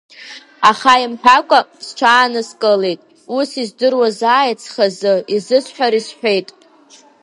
Аха имҳәакәа сҽааныскылеит, ус издыруазааит схазы, изысҳәари сҳәеит.